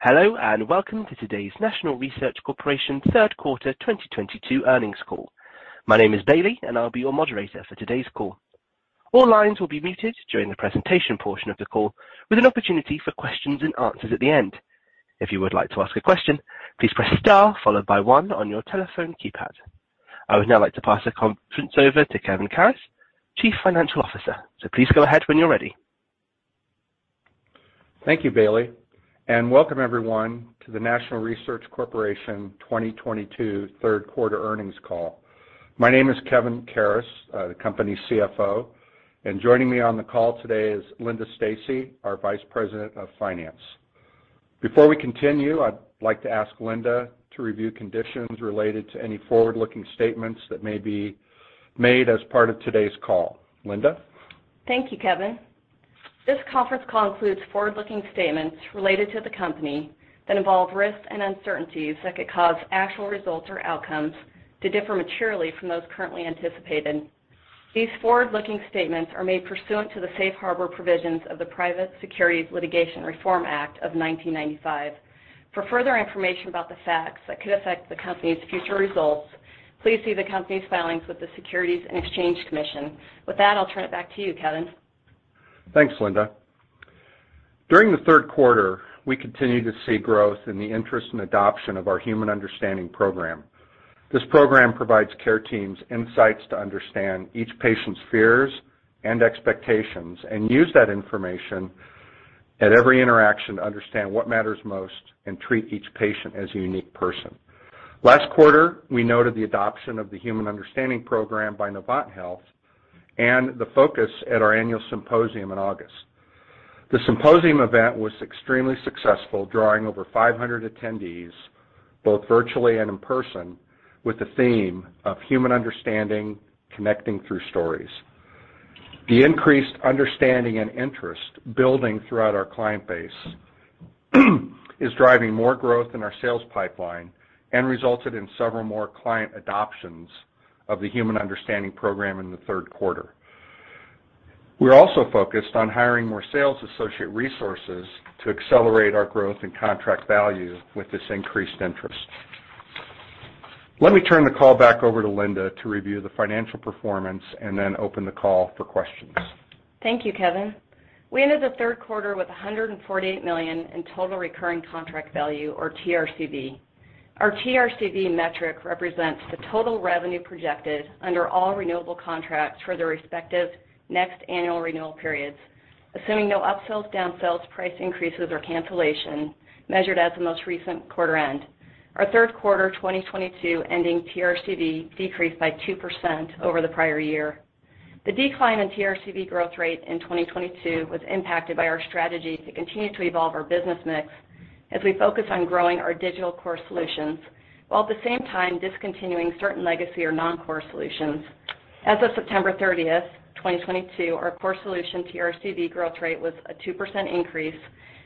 Hello, and welcome to today's National Research Corporation third quarter 2022 earnings call. My name is Bailey, and I'll be your moderator for today's call. All lines will be muted during the presentation portion of the call, with an opportunity for questions and answers at the end. If you would like to ask a question, please press star followed by one on your telephone keypad. I would now like to pass the conference over to Kevin Karas, Chief Financial Officer. Please go ahead when you're ready. Thank you, Bailey, and welcome everyone to the National Research Corporation 2022 third quarter earnings call. My name is Kevin Karas, the company's CFO, and joining me on the call today is Linda Stacy, our Vice President of Finance. Before we continue, I'd like to ask Linda to review conditions related to any forward-looking statements that may be made as part of today's call. Linda? Thank you, Kevin. This conference call includes forward-looking statements related to the company that involve risks and uncertainties that could cause actual results or outcomes to differ materially from those currently anticipated. These forward-looking statements are made pursuant to the Safe Harbor provisions of the Private Securities Litigation Reform Act of 1995. For further information about the facts that could affect the company's future results, please see the company's filings with the Securities and Exchange Commission. With that, I'll turn it back to you, Kevin. Thanks, Linda. During the third quarter, we continued to see growth in the interest and adoption of our Human Understanding Program. This program provides care teams insights to understand each patient's fears and expectations and use that information at every interaction to understand what matters most and treat each patient as a unique person. Last quarter, we noted the adoption of the Human Understanding Program by Novant Health and the focus at our annual symposium in August. The symposium event was extremely successful, drawing over 500 attendees, both virtually and in person, with the theme of Human Understanding, connecting through stories. The increased understanding and interest building throughout our client base is driving more growth in our sales pipeline and resulted in several more client adoptions of the Human Understanding Program in the third quarter. We're also focused on hiring more sales associate resources to accelerate our growth and contract value with this increased interest. Let me turn the call back over to Linda to review the financial performance and then open the call for questions. Thank you, Kevin. We ended the third quarter with $148 million in total recurring contract value or TRCV. Our TRCV metric represents the total revenue projected under all renewable contracts for the respective next annual renewal periods, assuming no upsells, downsells, price increases, or cancellation measured at the most recent quarter end. Our third quarter 2022 ending TRCV decreased by 2% over the prior year. The decline in TRCV growth rate in 2022 was impacted by our strategy to continue to evolve our business mix as we focus on growing our digital core solutions while at the same time discontinuing certain legacy or non-core solutions. As of September thirtieth, 2022, our core solution TRCV growth rate was a 2% increase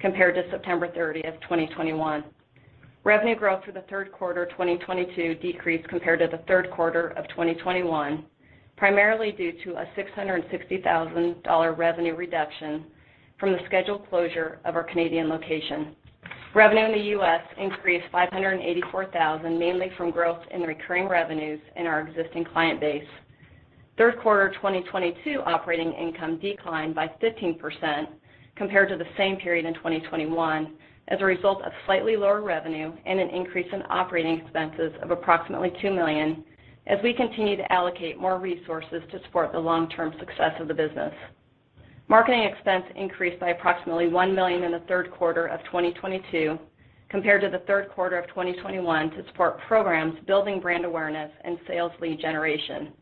compared to September thirtieth, 2021. Revenue growth for the third quarter 2022 decreased compared to the third quarter of 2021, primarily due to a $660,000 revenue reduction from the scheduled closure of our Canadian location. Revenue in the U.S. increased $584,000, mainly from growth in recurring revenues in our existing client base. Third quarter 2022 operating income declined by 15% compared to the same period in 2021 as a result of slightly lower revenue and an increase in operating expenses of approximately $2 million as we continue to allocate more resources to support the long-term success of the business. Marketing expense increased by approximately $1 million in the third quarter of 2022 compared to the third quarter of 2021 to support programs building brand awareness and sales lead generation.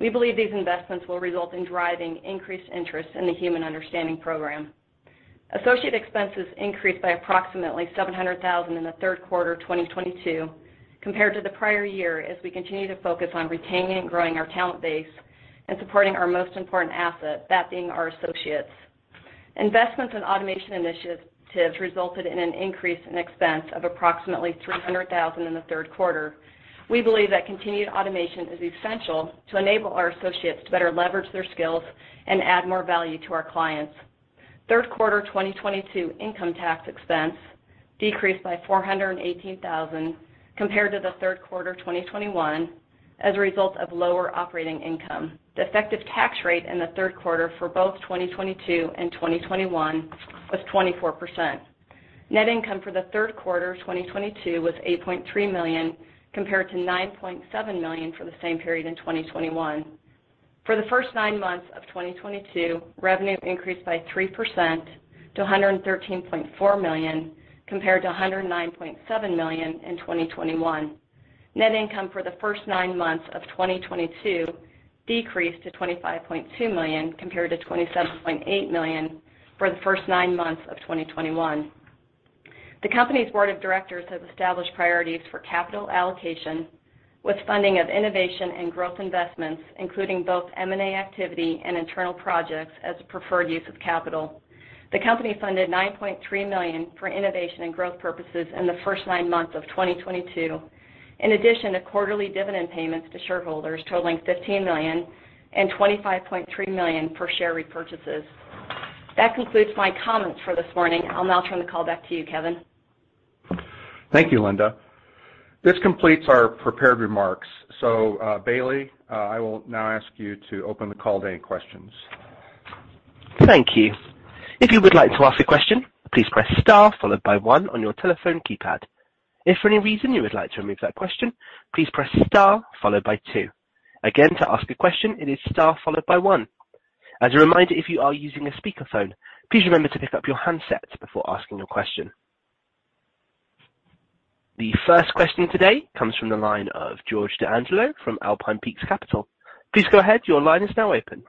We believe these investments will result in driving increased interest in the Human Understanding Program. Associate expenses increased by approximately $700 thousand in the third quarter 2022 compared to the prior year as we continue to focus on retaining and growing our talent base and supporting our most important asset, that being our associates. Investments in automation initiatives resulted in an increase in expense of approximately $300 thousand in the third quarter. We believe that continued automation is essential to enable our associates to better leverage their skills and add more value to our clients. Third quarter 2022 income tax expense decreased by $418 thousand compared to the third quarter 2021 as a result of lower operating income. The effective tax rate in the third quarter for both 2022 and 2021 was 24%. Net income for the third quarter 2022 was $8.3 million, compared to $9.7 million for the same period in 2021. For the first nine months of 2022, revenue increased by 3% to $113.4 million, compared to $109.7 million in 2021. Net income for the first nine months of 2022 decreased to $25.2 million, compared to $27.8 million for the first nine months of 2021. The company's board of directors have established priorities for capital allocation with funding of innovation and growth investments, including both M&A activity and internal projects, as a preferred use of capital. The company funded $9.3 million for innovation and growth purposes in the first nine months of 2022. In addition to quarterly dividend payments to shareholders totaling $15 million and $25.3 million for share repurchases. That concludes my comments for this morning. I'll now turn the call back to you, Kevin. Thank you, Linda. This completes our prepared remarks. Bailey, I will now ask you to open the call to any questions. Thank you. If you would like to ask a question, please press star followed by one on your telephone keypad. If for any reason you would like to remove that question, please press star followed by two. Again, to ask a question, it is star followed by one. As a reminder, if you are using a speaker phone, please remember to pick up your handset before asking your question. The first question today comes from the line of George D'Angelo from Alpine Peaks Capital. Please go ahead. Your line is now open.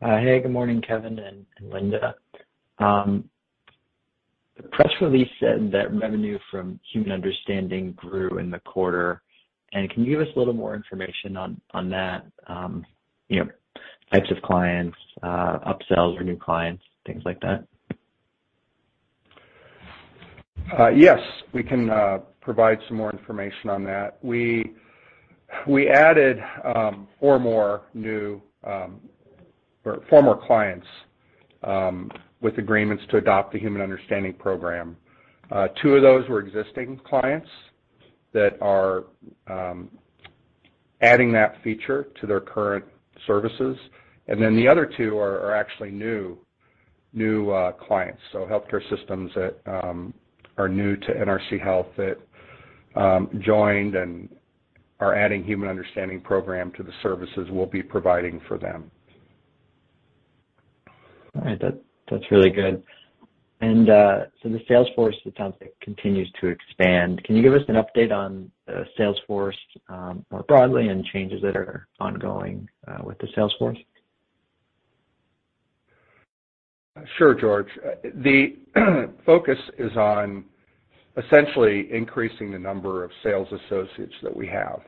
Hey, good morning, Kevin and Linda. The press release said that revenue from human understanding grew in the quarter. Can you give us a little more information on that, you know, types of clients, upsells or new clients, things like that? Yes. We can provide some more information on that. We added four more clients with agreements to adopt the Human Understanding Program. Two of those were existing clients that are adding that feature to their current services. The other two are actually new clients. Healthcare systems that are new to NRC Health that joined and are adding Human Understanding Program to the services we'll be providing for them. All right. That's really good. The sales force, it sounds like continues to expand. Can you give us an update on the sales force, more broadly and changes that are ongoing, with the sales force? Sure, George. The focus is on essentially increasing the number of sales associates that we have.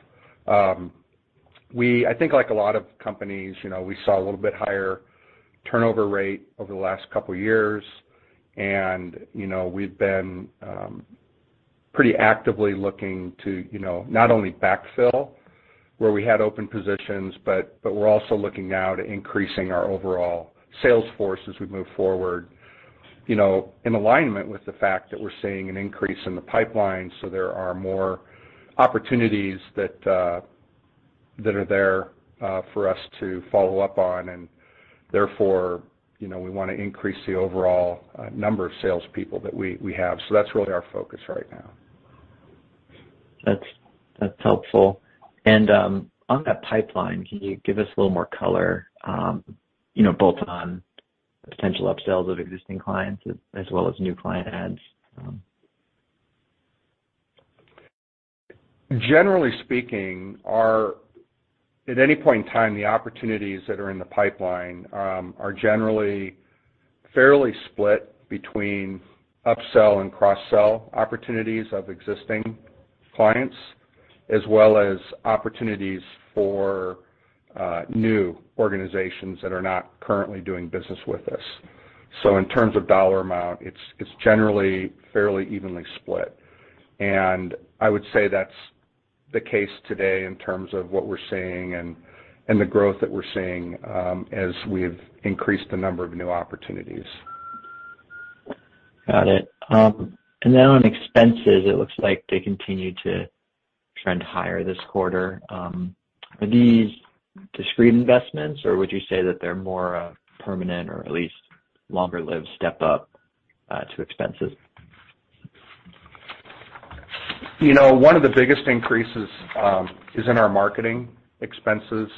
I think like a lot of companies, you know, we saw a little bit higher turnover rate over the last couple years. You know, we've been pretty actively looking to, you know, not only backfill where we had open positions, but we're also looking now to increasing our overall sales force as we move forward, you know, in alignment with the fact that we're seeing an increase in the pipeline. There are more opportunities that are there for us to follow up on. Therefore, you know, we wanna increase the overall number of salespeople that we have. That's really our focus right now. That's helpful. On that pipeline, can you give us a little more color, you know, both on potential upsells of existing clients as well as new client adds? Generally speaking, at any point in time, the opportunities that are in the pipeline are generally fairly split between upsell and cross-sell opportunities of existing clients, as well as opportunities for new organizations that are not currently doing business with us. So in terms of dollar amount, it's generally fairly evenly split. I would say that's the case today in terms of what we're seeing and the growth that we're seeing as we've increased the number of new opportunities. Got it. On expenses, it looks like they continue to trend higher this quarter. Are these discrete investments or would you say that they're more permanent or at least longer-lived step-up to expenses? You know, one of the biggest increases is in our marketing expenses,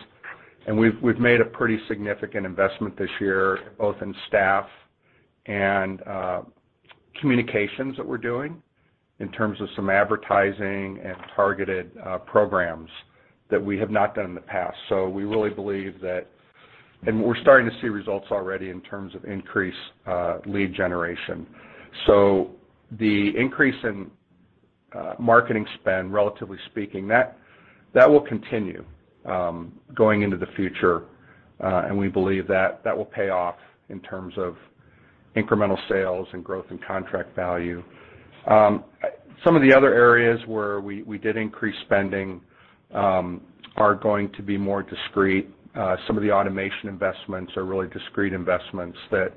and we've made a pretty significant investment this year, both in staff and communications that we're doing in terms of some advertising and targeted programs that we have not done in the past. We really believe that. We're starting to see results already in terms of increased lead generation. The increase in marketing spend, relatively speaking, that will continue going into the future. We believe that that will pay off in terms of incremental sales and growth and contract value. Some of the other areas where we did increase spending are going to be more discrete. Some of the automation investments are really discrete investments that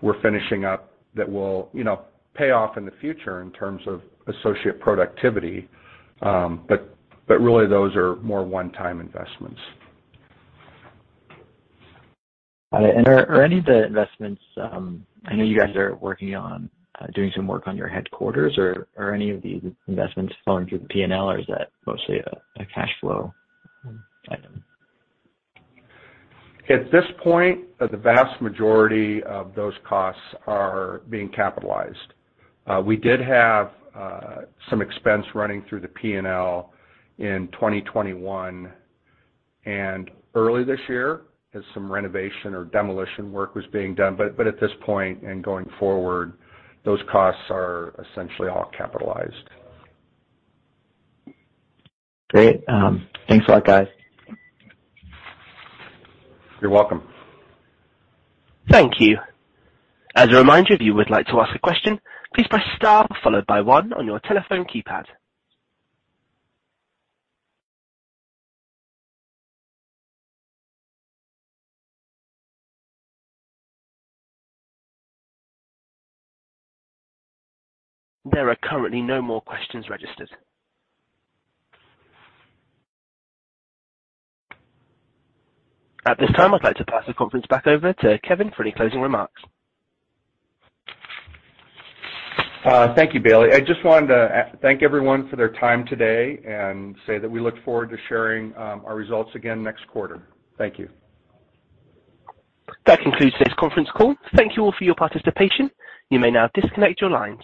we're finishing up that will, you know, pay off in the future in terms of associate productivity. Really those are more one-time investments. Got it. I know you guys are working on doing some work on your headquarters. Are any of these investments flowing through the P&L or is that mostly a cash flow item? At this point, the vast majority of those costs are being capitalized. We did have some expense running through the P&L in 2021 and early this year as some renovation or demolition work was being done. At this point and going forward, those costs are essentially all capitalized. Great. Thanks a lot, guys. You're welcome. Thank you. As a reminder, if you would like to ask a question, please press star followed by one on your telephone keypad. There are currently no more questions registered. At this time, I'd like to pass the conference back over to Kevin for any closing remarks. Thank you, Bailey. I just wanted to thank everyone for their time today and say that we look forward to sharing our results again next quarter. Thank you. That concludes today's conference call. Thank you all for your participation. You may now disconnect your lines.